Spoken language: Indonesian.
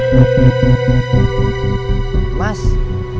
aku mau berhenti jadi copet